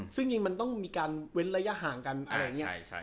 ซึ่งจริงมันต้องมีการเว้นระยะห่างกันอะไรอย่างนี้